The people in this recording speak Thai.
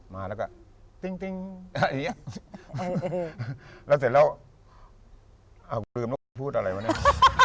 แล้วเสร็จแล้วเอ้ยเดี๋ยวลืมแล้วพูดอะไรวะเนี่ย